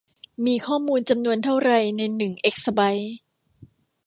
มีข้อมูลจำนวนเท่าไรในหนึ่งเอกซะไบท์